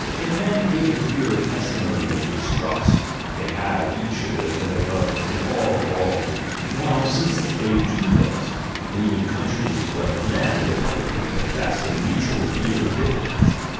Can men give a clearer testimony of the distrust they have each of other, and all of all r Now, since they do thus, and even countries as well as meUj they pubhcly profess their mutual fear and diffidence.